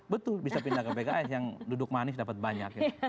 betul bisa pindah ke pks yang duduk manis dapat banyak